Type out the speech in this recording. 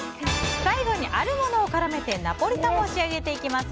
最後にあるものを絡めてナポリタンを仕上げていきます。